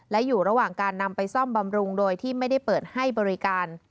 และอยู่ระหว่างการนำไปซ่อมบำรุงโดยที่ไม่ได้เปิดให้บริการ